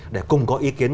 để cùng có ý kiến